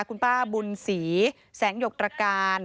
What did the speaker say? คุณป้าบุญศรีแสงหยกตรการ